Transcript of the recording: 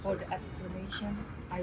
saya sangat menikmati ini